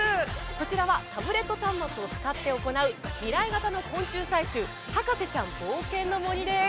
こちらはタブレット端末を使って行う未来型の昆虫採集博士ちゃん冒険の森です。